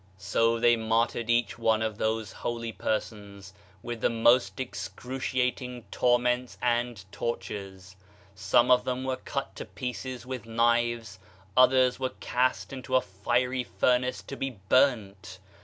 So they martyred each one of those holy per sons, with the most excruciating torments and tor tures. Some of them were cut to pieces with knives, others were cast into a fiery furnace to be burnt.